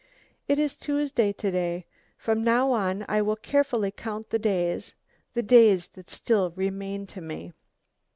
It is Tuesday to day; from now on I will carefully count the days the days that still remain to me.